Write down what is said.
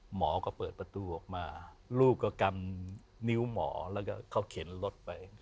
หมอก็เปิดประตูออกมาลูกก็กำนิ้วหมอแล้วก็เขาเข็นรถไป